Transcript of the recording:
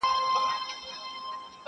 واری د قدرت له نشې مستو لېونیو دی٫